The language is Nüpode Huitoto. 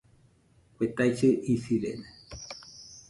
Kue taisɨ isirede